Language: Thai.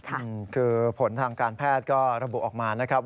คือผลทางการแพทย์ก็ระบุออกมานะครับ